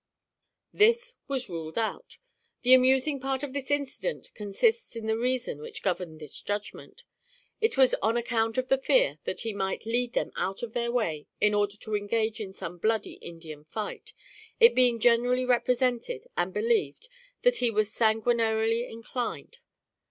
This was ruled out. The amusing part of this incident consists in the reason which governed this judgment. It was on account of the fear that he might lead them out of their way in order to engage in some bloody Indian fight, it being generally represented and believed that he was sanguinarily inclined.